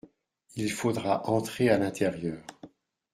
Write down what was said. Il faudra entrer à l’intérieur.